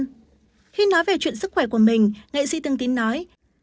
khi nói về chuyện sức khỏe của mình nghệ sĩ thương tín nói